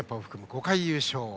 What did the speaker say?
５回優勝。